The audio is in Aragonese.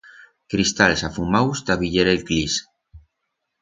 Cristals afumaus ta viyer el clis.